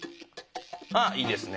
ああいいですね。